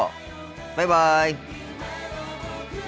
バイバイ。